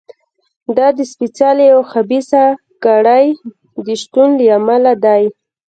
دا د سپېڅلې او خبیثه کړۍ د شتون له امله دی.